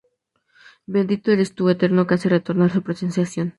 Bendito eres Tú, Eterno, que hace retornar Su Presencia a Sion.